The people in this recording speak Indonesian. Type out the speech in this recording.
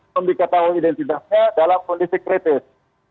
belum diketahui identitasnya dalam kondisi kritis